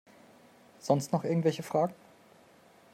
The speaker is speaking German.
Sonst noch irgendwelche Fragen?